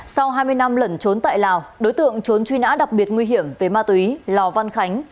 sau hai mươi năm lẩn trốn tại lào đối tượng trốn truy nã đặc biệt nguy hiểm về ma túy lò văn khánh